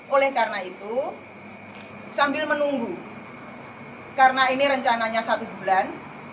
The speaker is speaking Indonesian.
oleh karena itu sambil menunggu karena ini rencananya satu bulan